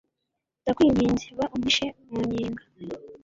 ndakwinginze, ba umpishe mu nyenga